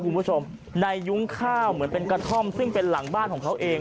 คุณผู้ชมในยุ้งข้าวเหมือนเป็นกระท่อมซึ่งเป็นหลังบ้านของเขาเอง